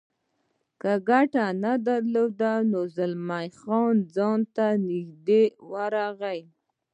ګټه نه درلوده، نو زلمی خان ته نږدې ورغلم.